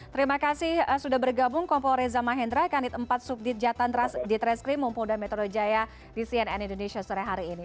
terima kasih sudah bergabung kompol reza mahendra kanit empat subdit jatantras di transkrim mumpung dan metodo jaya di cnn indonesia sore hari ini